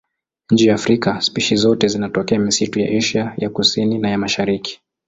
Nje ya Afrika spishi zote zinatokea misitu ya Asia ya Kusini na ya Mashariki.